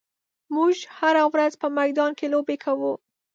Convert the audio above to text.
موږ هره ورځ په میدان کې لوبې کوو.